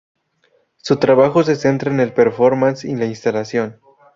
Su trabajo se centra en el performance y la Instalación.